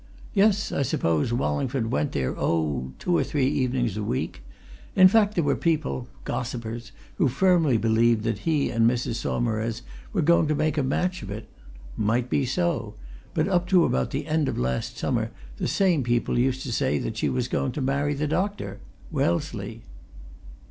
Yes, I suppose Wallingford went there, oh, two or three evenings a week. In fact, there were people gossipers who firmly believed that he and Mrs. Saumarez were going to make a match of it. Might be so; but up to about the end of last summer the same people used to say that she was going to marry the doctor Wellesley."